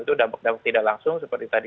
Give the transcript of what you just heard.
itu dampak dampak tidak langsung seperti tadi